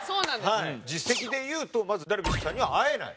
実績でいうとまずダルビッシュさんには会えない。